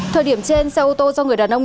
thời điểm trên xe ô tô do người đàn ông